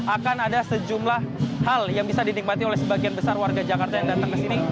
akan ada sejumlah hal yang bisa dinikmati oleh sebagian besar warga jakarta yang datang ke sini